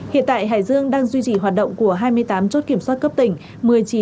hiện tại hải dương đang duy trì hoạt động của hai mươi tám chốt kiểm soát cấp tỉnh